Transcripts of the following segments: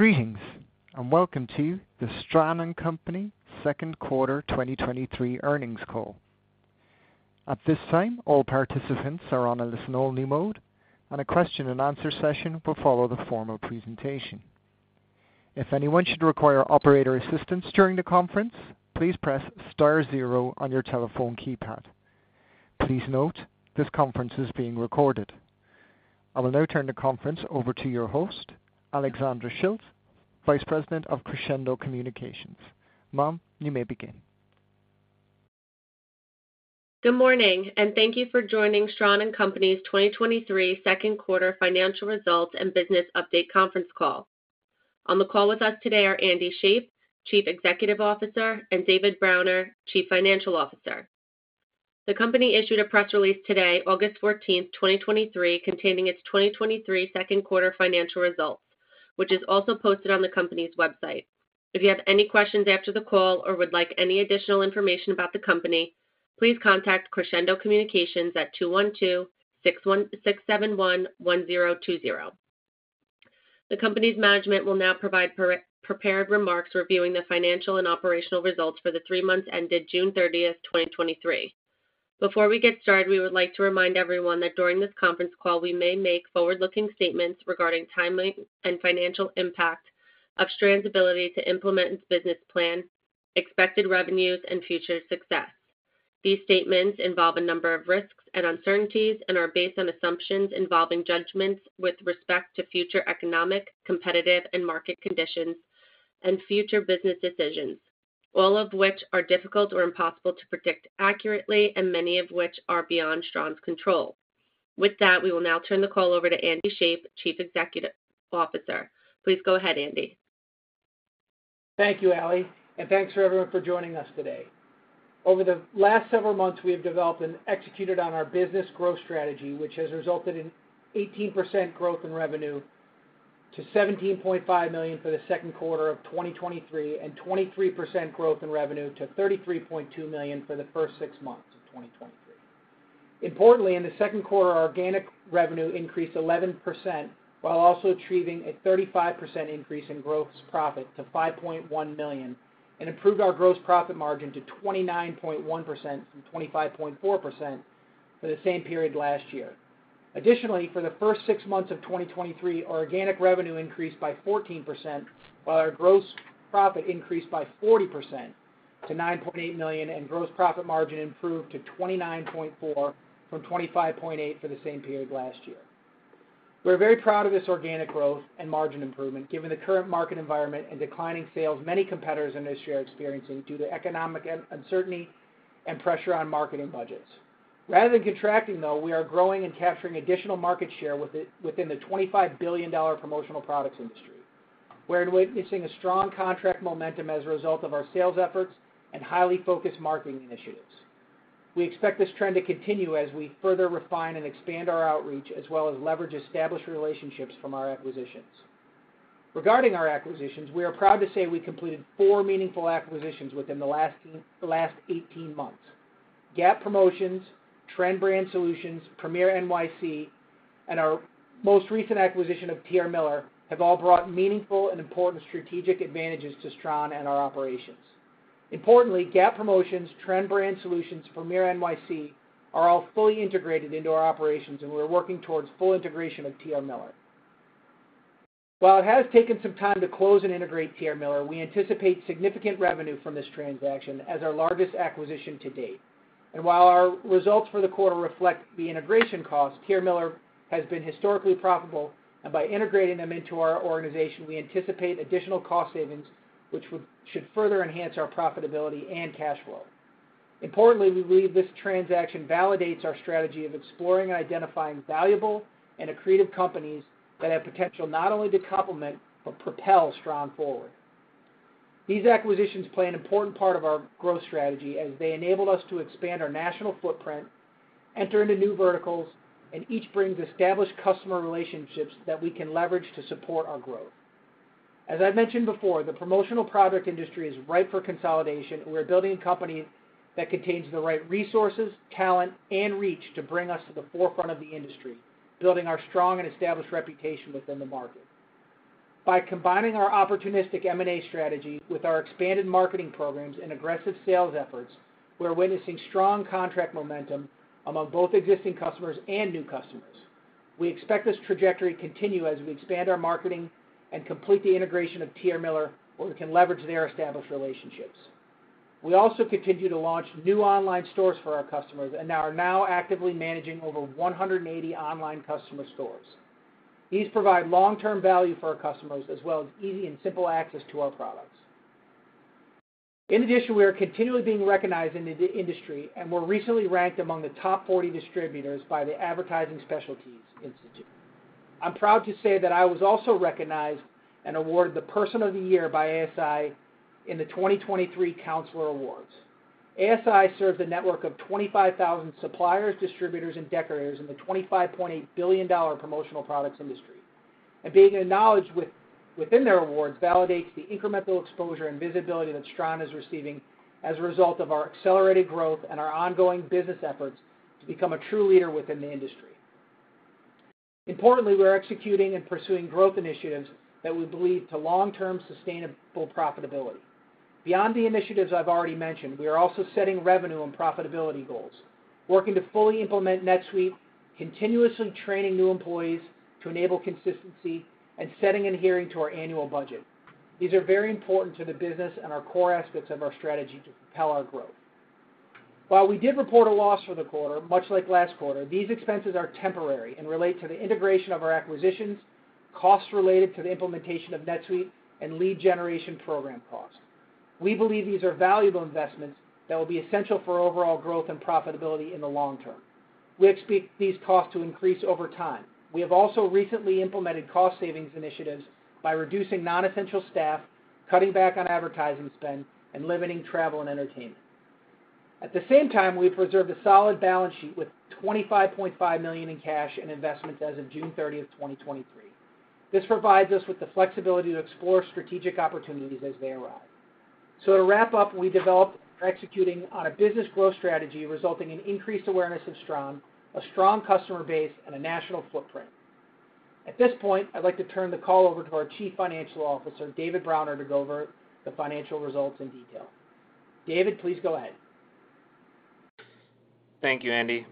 Greetings, welcome to the Stran & Company 2nd quarter 2023 earnings call. At this time, all participants are on a listen-only mode, and a question and answer session will follow the formal presentation. If anyone should require operator assistance during the conference, please press star 0 on your telephone keypad. Please note, this conference is being recorded. I will now turn the conference over to your host, Alexandra Schilt, Vice President of Crescendo Communications. Ma'am, you may begin. Good morning. Thank you for joining Stran & Company's 2023 second quarter financial results and business update conference call. On the call with us today are Andy Shape, Chief Executive Officer, and David Browner, Chief Financial Officer. The company issued a press release today, August 14th, 2023, containing its 2023 second quarter financial results, which is also posted on the company's website. If you have any questions after the call or would like any additional information about the company, please contact Crescendo Communications at 212-616-711020. The company's management will now provide pre-prepared remarks reviewing the financial and operational results for the three months ended June 30th, 2023. Before we get started, we would like to remind everyone that during this conference call, we may make forward-looking statements regarding timeline and financial impact of Stran's ability to implement its business plan, expected revenues, and future success. These statements involve a number of risks and uncertainties and are based on assumptions involving judgments with respect to future economic, competitive, and market conditions and future business decisions, all of which are difficult or impossible to predict accurately, and many of which are beyond Stran's control. With that, we will now turn the call over to Andy Shape, Chief Executive Officer. Please go ahead, Andy. Thank you, Ally, and thanks for everyone for joining us today. Over the last several months, we have developed and executed on our business growth strategy, which has resulted in 18% growth in revenue to $17.5 million for the second quarter of 2023, and 23% growth in revenue to $33.2 million for the first six months of 2023. Importantly, in the second quarter, our organic revenue increased 11%, while also achieving a 35% increase in gross profit to $5.1 million, and improved our gross profit margin to 29.1% from 25.4% for the same period last year. Additionally, for the first 6 months of 2023, our organic revenue increased by 14%, while our gross profit increased by 40% to $9.8 million, and gross profit margin improved to 29.4% from 25.8% for the same period last year. We are very proud of this organic growth and margin improvement, given the current market environment and declining sales many competitors in this share are experiencing due to economic uncertainty and pressure on marketing budgets. Rather than contracting, though, we are growing and capturing additional market share within the $25 billion promotional products industry. We're witnessing a strong contract momentum as a result of our sales efforts and highly focused marketing initiatives. We expect this trend to continue as we further refine and expand our outreach, as well as leverage established relationships from our acquisitions. Regarding our acquisitions, we are proud to say we completed 4 meaningful acquisitions within the last 18 months. Gap Promotions, Trend Brand Solutions, Premier NYC, and our most recent acquisition of T.R. Miller, have all brought meaningful and important strategic advantages to Stran and our operations. Importantly, Gap Promotions, Trend Brand Solutions, Premier NYC are all fully integrated into our operations, and we're working towards full integration of T.R. Miller. While it has taken some time to close and integrate T.R. Miller, we anticipate significant revenue from this transaction as our largest acquisition to date. While our results for the quarter reflect the integration cost, T.R. Miller has been historically profitable, and by integrating them into our organization, we anticipate additional cost savings, which should further enhance our profitability and cash flow. Importantly, we believe this transaction validates our strategy of exploring and identifying valuable and accretive companies that have potential not only to complement, but propel Stran forward. These acquisitions play an important part of our growth strategy as they enabled us to expand our national footprint, enter into new verticals, and each brings established customer relationships that we can leverage to support our growth. As I've mentioned before, the promotional product industry is ripe for consolidation, and we're building a company that contains the right resources, talent, and reach to bring us to the forefront of the industry, building our strong and established reputation within the market. By combining our opportunistic M&A strategy with our expanded marketing programs and aggressive sales efforts, we are witnessing strong contract momentum among both existing customers and new customers. We expect this trajectory to continue as we expand our marketing and complete the integration of T.R. Miller, where we can leverage their established relationships. We also continue to launch new online stores for our customers and are now actively managing over 180 online customer stores. These provide long-term value for our customers, as well as easy and simple access to our products. In addition, we are continually being recognized in the industry, and we're recently ranked among the top 40 distributors by the Advertising Specialty Institute. I'm proud to say that I was also recognized and awarded the Person of the Year by ASI in the 2023 Counselor Awards. ASI serves a network of 25,000 suppliers, distributors, and decorators in the $25.8 billion promotional products industry. Being acknowledged within their awards validates the incremental exposure and visibility that Stran is receiving as a result of our accelerated growth and our ongoing business efforts to become a true leader within the industry. Importantly, we're executing and pursuing growth initiatives that we believe to long-term sustainable profitability. Beyond the initiatives I've already mentioned, we are also setting revenue and profitability goals, working to fully implement NetSuite, continuously training new employees to enable consistency, and setting and adhering to our annual budget. These are very important to the business and are core aspects of our strategy to propel our growth. While we did report a loss for the quarter, much like last quarter, these expenses are temporary and relate to the integration of our acquisitions, costs related to the implementation of NetSuite, and lead generation program costs. We believe these are valuable investments that will be essential for overall growth and profitability in the long term. We expect these costs to increase over time. We have also recently implemented cost savings initiatives by reducing non-essential staff, cutting back on advertising spend, and limiting travel and entertainment. At the same time, we've preserved a solid balance sheet with $25.5 million in cash and investments as of June 30, 2023. This provides us with the flexibility to explore strategic opportunities as they arrive. To wrap up, we developed and are executing on a business growth strategy, resulting in increased awareness of Stran, a strong customer base, and a national footprint. At this point, I'd like to turn the call over to our Chief Financial Officer, David Browner, to go over the financial results in detail. David, please go ahead. Thank you, Andy.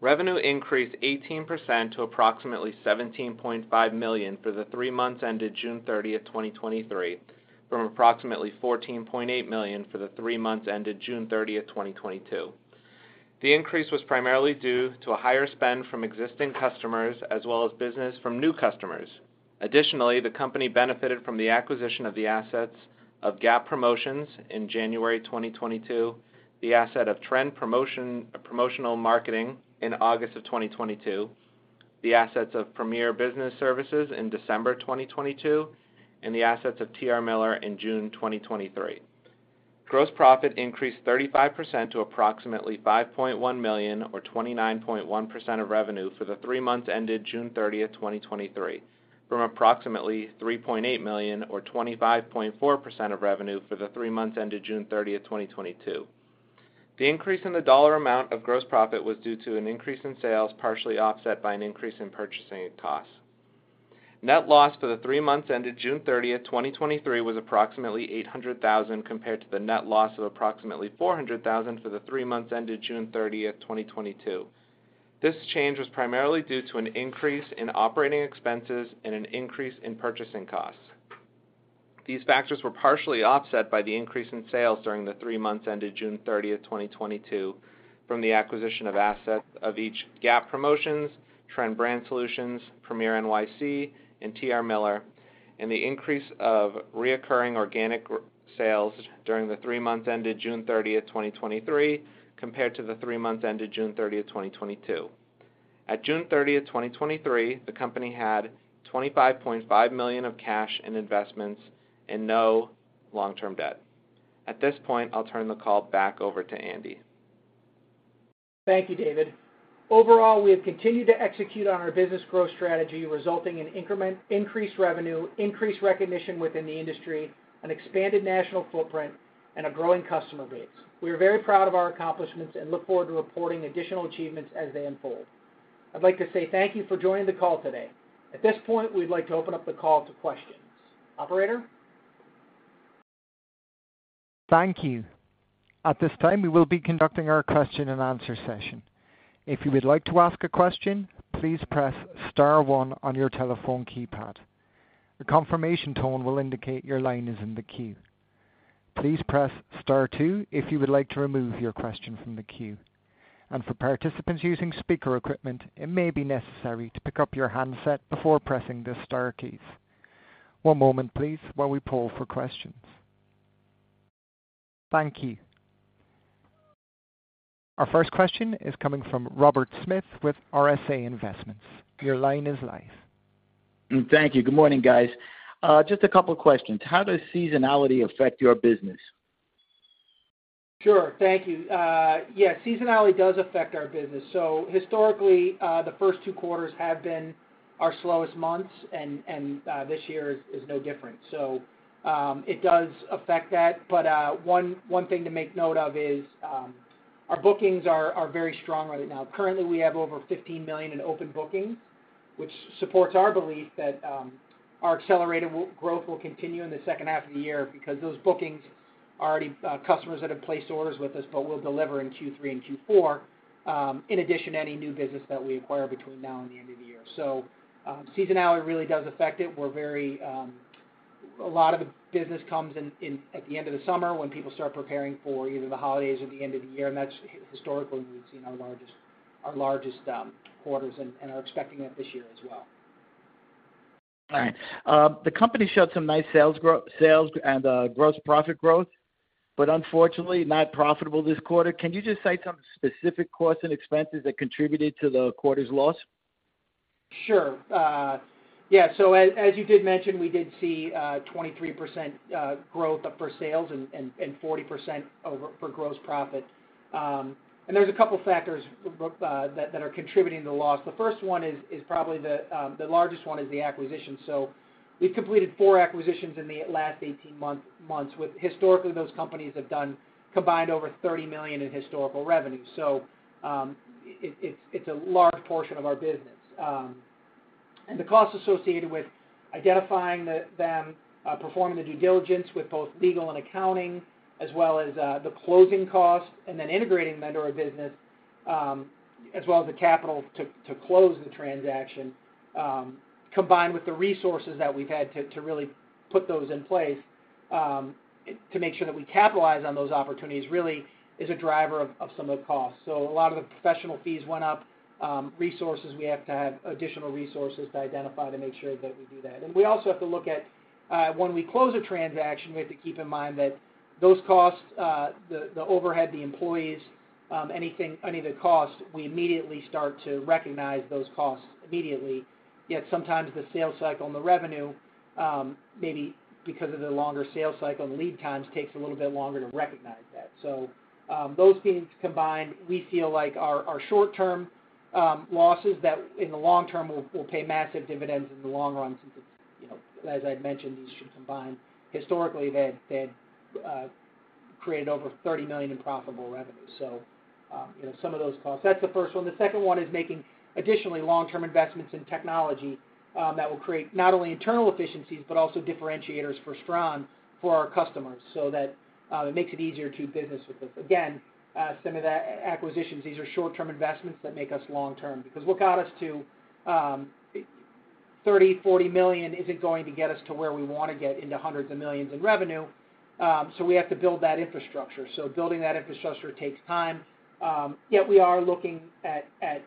Revenue increased 18% to approximately $17.5 million for the 3 months ended June 30, 2023, from approximately $14.8 million for the 3 months ended June 30, 2022. The increase was primarily due to a higher spend from existing customers as well as business from new customers. Additionally, the company benefited from the acquisition of the assets of Gap Promotions in January 2022, the asset of Trend Brand Solutions in August 2022, the assets of Premier NYC in December 2022, and the assets of T.R. Miller in June 2023. Gross profit increased 35% to approximately $5.1 million or 29.1% of revenue for the three months ended June 30, 2023, from approximately $3.8 million or 25.4% of revenue for the three months ended June 30, 2022. The increase in the dollar amount of gross profit was due to an increase in sales, partially offset by an increase in purchasing costs. Net loss for the three months ended June 30, 2023, was approximately $800,000, compared to the net loss of approximately $400,000 for the three months ended June 30, 2022. This change was primarily due to an increase in operating expenses and an increase in purchasing costs. These factors were partially offset by the increase in sales during the three months ended June 30th, 2022, from the acquisition of assets of each Gap Promotions, Trend Brand Solutions, Premier NYC, and T.R. Miller, and the increase of reoccurring organic sales during the three months ended June 30th, 2023, compared to the three months ended June 30th, 2022. At June 30th, 2023, the company had $25.5 million of cash and investments and no long-term debt. At this point, I'll turn the call back over to Andy. Thank you, David. Overall, we have continued to execute on our business growth strategy, resulting in increased revenue, increased recognition within the industry, an expanded national footprint, and a growing customer base. We are very proud of our accomplishments and look forward to reporting additional achievements as they unfold. I'd like to say thank you for joining the call today. At this point, we'd like to open up the call to questions. Operator? Thank you. At this time, we will be conducting our question and answer session. If you would like to ask a question, please press star one on your telephone keypad. A confirmation tone will indicate your line is in the queue. Please press star two if you would like to remove your question from the queue. For participants using speaker equipment, it may be necessary to pick up your handset before pressing the star keys. One moment, please, while we poll for questions. Thank you. Our first question is coming from Robert Smith with RSA Investments. Your line is live. Thank you. Good morning, guys. Just a couple questions: How does seasonality affect your business? Sure. Thank you. Yeah, seasonality does affect our business. Historically, the first two quarters have been our slowest months, and this year is no different. It does affect that. One thing to make note of is, our bookings are very strong right now. Currently, we have over $15 million in open bookings, which supports our belief that our accelerated growth will continue in the second half of the year because those bookings are already customers that have placed orders with us, but will deliver in Q3 and Q4, in addition to any new business that we acquire between now and the end of the year. Seasonality really does affect it. We're very... A lot of the business comes in, in at the end of the summer when people start preparing for either the holidays or the end of the year. That's historically we've seen our largest, our largest, quarters and, and are expecting that this year as well. All right. The company showed some nice sales sales and gross profit growth, but unfortunately, not profitable this quarter. Can you just cite some specific costs and expenses that contributed to the quarter's loss? Sure. Yeah, as, as you did mention, we did see, 23% growth for sales and 40% over for gross profit. There's a couple factors that, that are contributing to the loss. The first one is, is probably the largest one is the acquisition. We've completed four acquisitions in the last 18 months, with historically, those companies have done combined over $30 million in historical revenue. It's, it's a large portion of our business. The costs associated with identifying the, them, performing the due diligence with both legal and accounting, as well as, the closing costs and then integrating vendor or business, as well as the capital to, to close the transaction, combined with the resources that we've had to, to really put those in place, to make sure that we capitalize on those opportunities, really is a driver of, of some of the costs. A lot of the professional fees went up. Resources, we have to have additional resources to identify to make sure that we do that. We also have to look at, when we close a transaction, we have to keep in mind that those costs, the, the overhead, the employees, anything, any of the costs, we immediately start to recognize those costs immediately. Yet sometimes the sales cycle and the revenue, maybe because of the longer sales cycle and the lead times, takes a little bit longer to recognize that. Those things combined, we feel like our, our short-term losses, that in the long term, will, will pay massive dividends in the long run, since it's, you know, as I've mentioned, these should combine. Historically, they had, they had created over $30 million in profitable revenue. You know, some of those costs. That's the first one. The second one is making additionally long-term investments in technology that will create not only internal efficiencies, but also differentiators for Stran, for our customers, so that it makes it easier to do business with us. Again, some of the acquisitions, these are short-term investments that make us long-term, because what got us to $30 million-$40 million isn't going to get us to where we want to get into $100s of millions in revenue. We have to build that infrastructure. Building that infrastructure takes time. Yet we are looking at, at,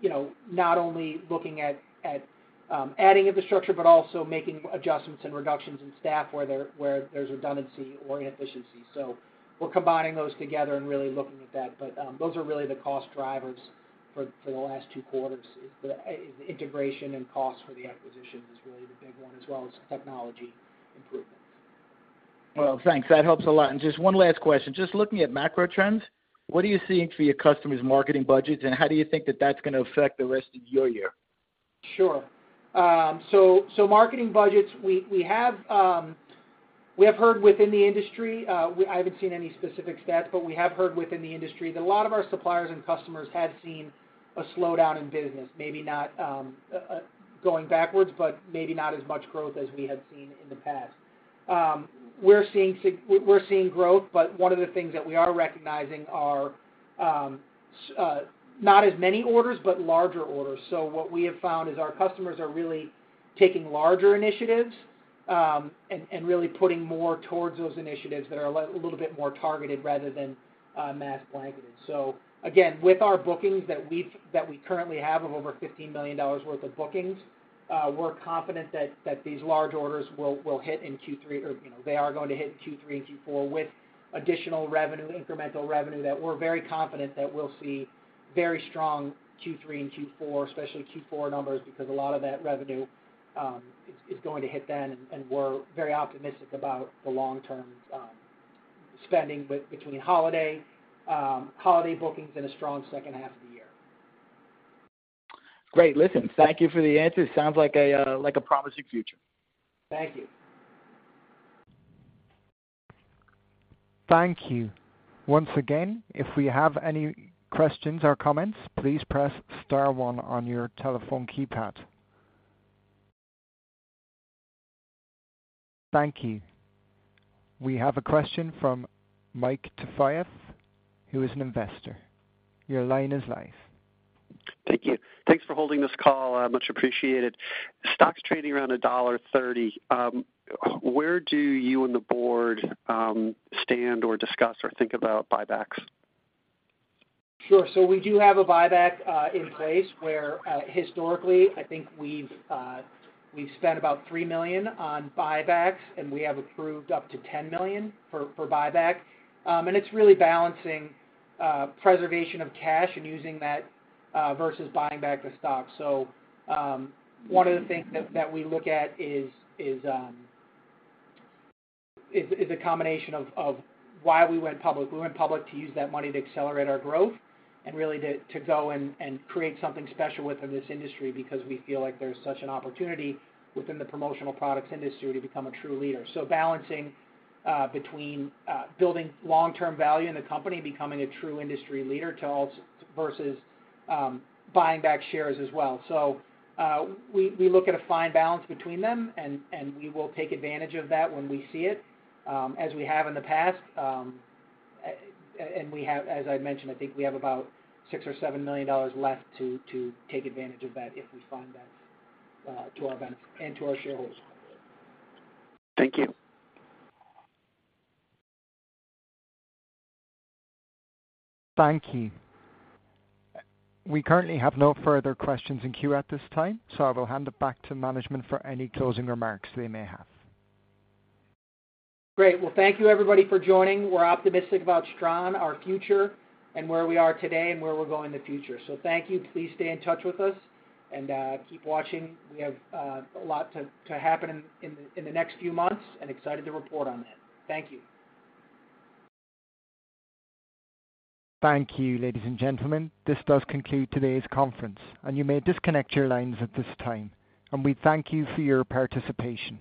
you know, not only looking at, at, adding infrastructure, but also making adjustments and reductions in staff where there, where there's redundancy or inefficiency. We're combining those together and really looking at that. Those are really the cost drivers for, for the last two quarters, is the integration and cost for the acquisition is really the big one, as well as technology improvements. Well, thanks. That helps a lot. Just one last question. Just looking at macro trends, what are you seeing for your customers' marketing budgets, and how do you think that that's gonna affect the rest of your year? Sure. So marketing budgets, we have heard within the industry, we. I haven't seen any specific stats. We have heard within the industry that a lot of our suppliers and customers have seen a slowdown in business, maybe not, going backwards, but maybe not as much growth as we had seen in the past. We're seeing growth. One of the things that we are recognizing are, not as many orders, but larger orders. What we have found is our customers are really taking larger initiatives, and really putting more towards those initiatives that are a little bit more targeted rather than, mass blanketed. Again, with our bookings that we've, that we currently have of over $15 million worth of bookings, we're confident that, that these large orders will, will hit in Q3 or, you know, they are going to hit Q3 and Q4 with additional revenue, incremental revenue, that we're very confident that we'll see very strong Q3 and Q4, especially Q4 numbers, because a lot of that revenue is, is going to hit then, and we're very optimistic about the long-term spending between holiday, holiday bookings and a strong second half of the year. Great! Listen, thank you for the answers. Sounds like a, like a promising future. Thank you. Thank you. Once again, if we have any questions or comments, please press star one on your telephone keypad. Thank you. We have a question from uncertain, who is an investor. Your line is live. Thank you. Thanks for holding this call, much appreciated. Stock's trading around $1.30. Where do you and the board, stand or discuss or think about buybacks? Sure. We do have a buyback in place where historically, I think we've spent about $3 million on buybacks, and we have approved up to $10 million for buyback. It's really balancing preservation of cash and using that versus buying back the stock. One of the things that we look at is a combination of why we went public. We went public to use that money to accelerate our growth and really to go and create something special within this industry, because we feel like there's such an opportunity within the promotional products industry to become a true leader. Balancing between building long-term value in the company, becoming a true industry leader, tells versus buying back shares as well. We, we look at a fine balance between them, and, and we will take advantage of that when we see it, as we have in the past. We have -- as I mentioned, I think we have about $6 million or $7 million left to, to take advantage of that, if we find that, to our benefit and to our shareholders. Thank you. Thank you. We currently have no further questions in queue at this time. I will hand it back to management for any closing remarks they may have. Great. Well, thank you, everybody, for joining. We're optimistic about Stran, our future, and where we are today, and where we'll go in the future. Thank you. Please stay in touch with us and keep watching. We have a lot to, to happen in, in the, in the next few months and excited to report on that. Thank you. Thank you, ladies and gentlemen. This does conclude today's conference, and you may disconnect your lines at this time. We thank you for your participation.